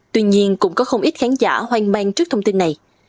tuy nhiên cũng có không ít khán giả hoang mang trước thông tin này